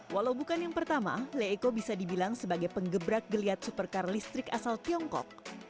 walau bukan yang pertama leeco bisa dibilang sebagai penggebrak geliat supercar listrik asal tiongkok